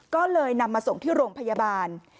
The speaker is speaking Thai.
ก็เลยนำมาส่งที่โรงพยาบาล